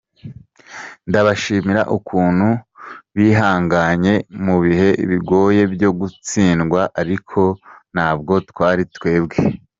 Ndabashimira ukuntu bihanganye mu bihe bigoye byo gutsindwa ariko ntabwo twari twebwe.